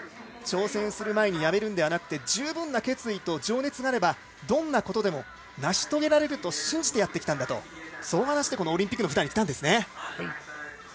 挑戦する前にやめるのではなく十分な決意と情熱があればどんなことでも成し遂げられると信じてやってきたんだとそう話してオリンピックの舞台に立ったんですね。